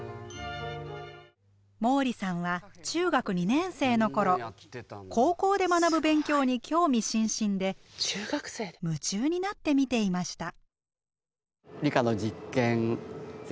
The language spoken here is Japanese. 毛利さんは中学２年生の頃高校で学ぶ勉強に興味津々で夢中になって見ていました。